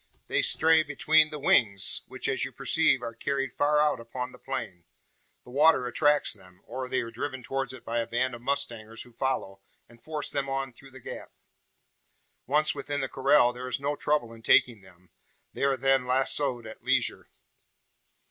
They stray between the wings; which, as you perceive, are carried far out upon the plain. The water attracts them; or they are driven towards it by a band of mustangers who follow, and force them on through the gap. Once within the corral, there is no trouble in taking them. They are then lazoed at leisure."